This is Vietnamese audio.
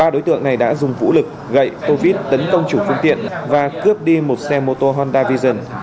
ba đối tượng này đã dùng vũ lực gậy tô vít tấn công chủ phương tiện và cướp đi một xe mô tô honda vision